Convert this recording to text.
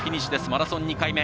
マラソン２回目。